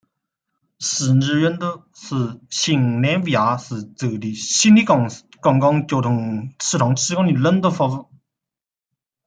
悉尼轮渡是新南威尔士州的悉尼公共交通系统提供的轮渡服务。